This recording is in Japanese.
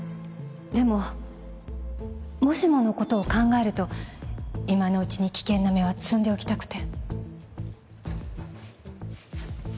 でももしものことを考えると今のうちに危険な芽は摘んでおきたくて